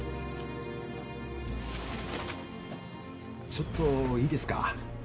・ちょっといいですか？